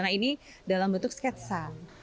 nah ini dalam bentuk sketsa